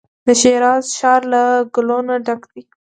د شیراز ښار له ګلو نو ډک وي.